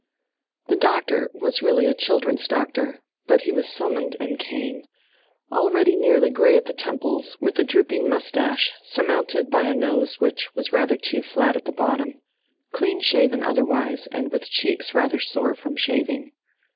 The doctor was really a children's doctor, but he was summoned and came: already nearly grey on the temples, with a drooping moustache, surmounted by a nose which was rather too flat at the bottom, clean shaven otherwise and with cheeks rather sore from shaving.